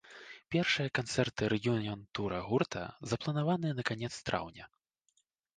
Першыя канцэрты рэюніян-тура гурта запланаваныя на канец траўня.